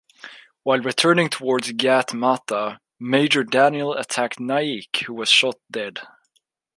While returning towards Ghat Matha, Major Daniel attacked Naik, who was shot dead.